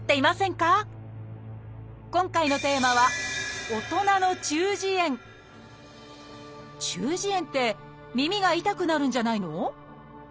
今回のテーマは「中耳炎」って耳が痛くなるんじゃないの？